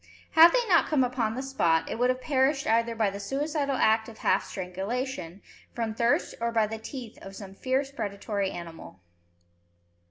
Had they not come upon the spot, it would have perished either by the suicidal act of half strangulation, from thirst, or by the teeth of some fierce predatory animal.